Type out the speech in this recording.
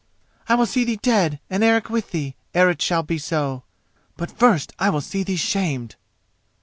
I will see thee dead, and Eric with thee, ere it shall be so! but first I will see thee shamed!"